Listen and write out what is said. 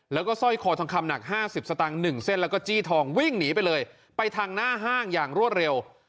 แล้วก็สร้อยคอทองคำหนัก๕๐สตางค์๑เส้นแล้วก็จี้ทองวิ่งหนีไปเลยไปทางหน้าห้างอย่างรวดเร็ว